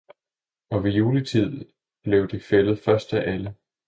og ved juletid blev det fældet først af alle.